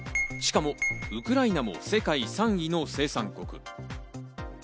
しかもウクライナも世界３位の生産国。